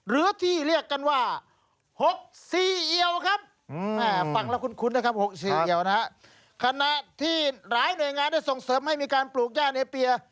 และที่หลายหน่วยงานได้ส่งเสริมให้มีการปลูกย่านเอเบีย